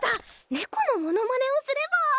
ネコのモノマネをすれば。